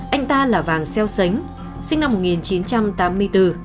anh ta là vàng xeo sánh sinh năm một nghìn chín trăm tám mươi bốn